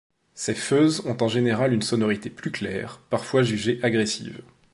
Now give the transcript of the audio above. Ces fuzz ont en général une sonorité plus claire, parfois jugée agressive.